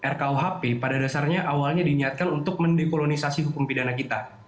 rkuhp pada dasarnya awalnya diniatkan untuk mendekolonisasi hukum pidana kita